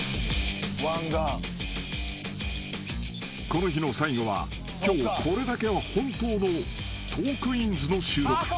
［この日の最後は今日これだけは本当の『トークィーンズ』の収録］